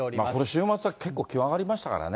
週末は結構、気温上がりましたからね。